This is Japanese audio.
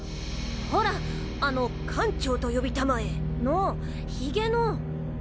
ほらあの「艦長と呼びたまえ」のヒゲの。